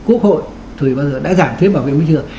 quốc hội thì bao giờ đã giảm thuế bảo vệ môi trường